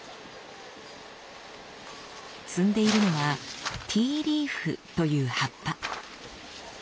摘んでいるのはティーリーフという葉っぱ。